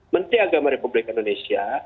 menteri agama republik indonesia